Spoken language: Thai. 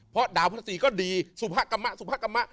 เพราะดาวพนักศรีก็ดีสุภาคมะสุภาคมะ